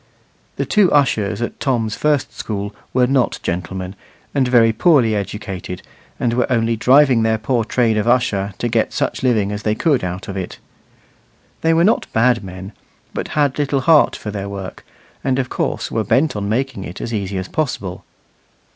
The two ushers at Tom's first school were not gentlemen, and very poorly educated, and were only driving their poor trade of usher to get such living as they could out of it. They were not bad men, but had little heart for their work, and of course were bent on making it as easy as possible.